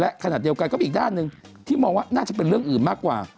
และขณะเดียวกันก็มีอีกด้านหนึ่งที่มองว่าน่าจะเป็นเรื่องอื่นมากกว่า